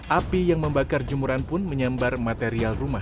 api yang membakar jemuran pun menyambar material rumah